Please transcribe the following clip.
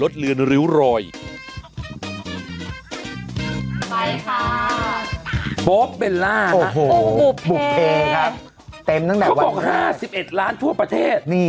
เขาบอก๕๑ล้านทั่วประเทศ